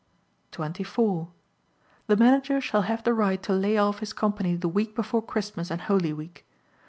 24. The Manager shall have the right to lay off his company the week before Christmas and Holy Week.